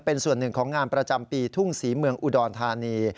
เป็นส่วนหนึ่งของงานประจำปีทุ่งศรีเมืองอุดรธานี